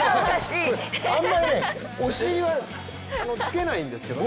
あまりお尻はつけないんですけどね。